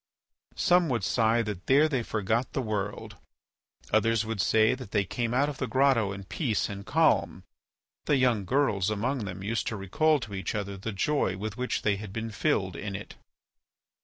Some would sigh that there they forgot the world; others would say that they came out of the grotto in peace and calm; the young girls among them used to recall to each other the joy with which they had been filled in it.